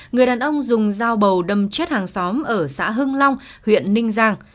người đàn ông dùng dao bầu đâm chết hàng xóm ở xã hưng long huyện ninh giang